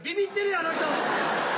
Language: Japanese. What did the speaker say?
あの人。